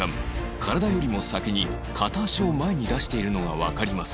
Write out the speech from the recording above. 体よりも先に片足を前に出しているのがわかります